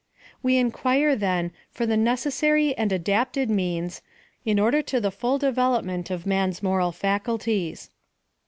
We inquire, then, for the necessary and adapted means, in order to the full development of man's moral faculties.